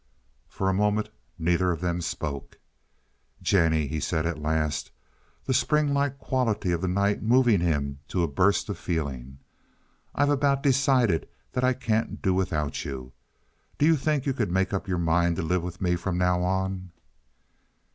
For a moment neither of them spoke. "Jennie," he said at last, the spring like quality of the night moving him to a burst of feeling, "I've about decided that I can't do without you. Do you think you could make up your mind to live with me from now on?"